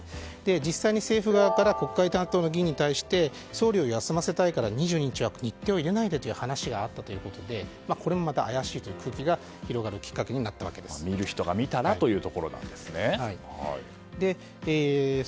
実際に政府側から国会担当の議員に対して総理を休ませたいから２２日は日程を入れないでという話があったということでこれもまた怪しいという空気が広がる見る人が見たらというところなんですね。